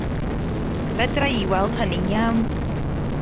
Fedra i weld hynny'n iawn.